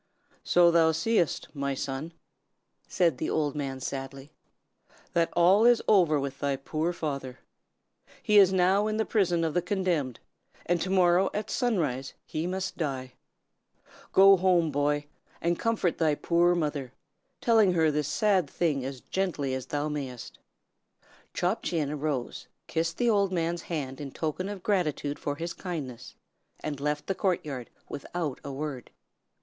"So thou seest, my son," said the old man, sadly, "that all is over with thy poor father. He is now in the prison of the condemned, and to morrow at sunrise he must die. Go home, boy, and comfort thy poor mother, telling her this sad thing as gently as thou mayest." Chop Chin arose, kissed the old man's hand in token of gratitude for his kindness, and left the court yard without a word.